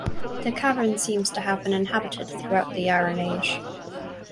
The cavern seems to have been inhabited throughout the Iron Age.